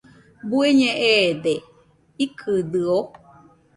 ¿Bueñe eede?, ¿ikɨdɨo?